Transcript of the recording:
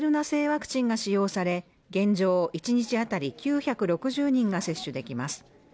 製ワクチンが使用され現状１日あたり９６０人が接種できます